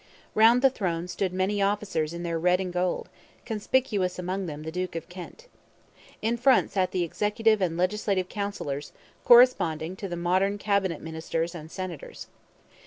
Round the throne stood many officers in their red and gold, conspicuous among them the Duke of Kent. In front sat the Executive and Legislative Councillors, corresponding to the modern cabinet ministers and senators.